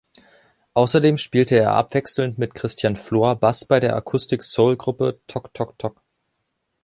Außerdem spielte er abwechselnd mit Christian Flohr Bass bei der Akustik-Soulgruppe tok tok tok.